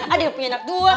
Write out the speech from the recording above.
ada yang punya anak dua